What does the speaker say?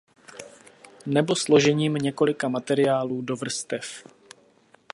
Nebo složením několika materiálů do vrstev.